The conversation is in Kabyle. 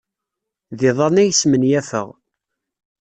D iḍan ay smenyafeɣ.